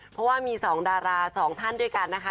เพราะว่ามี๒ดารา๒ท่านด้วยกันนะคะ